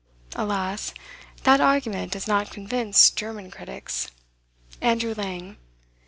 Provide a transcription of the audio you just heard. Alas! that argument does not convince German critics. ANDREW LANG.